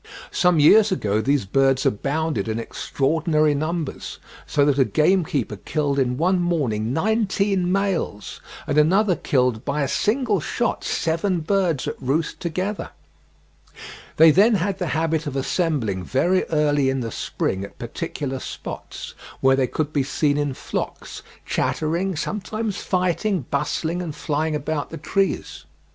Some years ago these birds abounded in extraordinary numbers, so that a gamekeeper killed in one morning nineteen males, and another killed by a single shot seven birds at roost together. They then had the habit of assembling very early in the spring at particular spots, where they could be seen in flocks, chattering, sometimes fighting, bustling and flying about the trees.